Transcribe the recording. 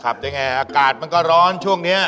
ขับได้อย่างไรอากาศมันก็ร้อนช่วงนี้